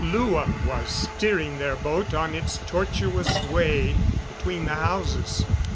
Lua was steering their boat on its tortuous way between the houses.